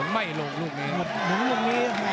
ไม่ลงลูกนี้